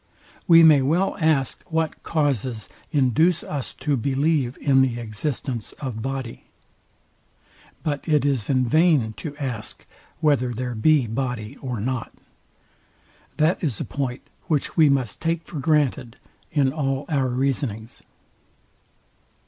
We may well ask, What causes induce us to believe in the existence of body? but it is in vain to ask, Whether there be body or not? That is a point, which we must take for granted in all our reasonings.